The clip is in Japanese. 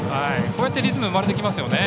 こうやってリズムが生まれてきますね。